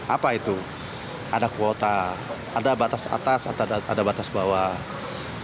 apa itu ada kuota ada batas atas ada batas bawah